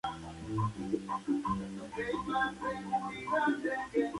Traductor al alemán de sus "Lecciones de Anatomía Comparada", fue llamado el "Cuvier alemán".